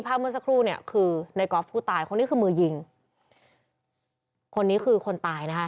เมื่อสักครู่เนี่ยคือในกอล์ฟผู้ตายคนนี้คือมือยิงคนนี้คือคนตายนะคะ